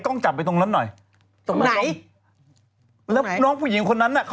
โรจินต้องบอกคุณแม่